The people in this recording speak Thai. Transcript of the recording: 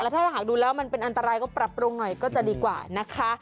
ถ้าหากดูแล้วมันเป็นอันตรายก็ปรับปรุงหน่อยก็จะดีกว่านะคะ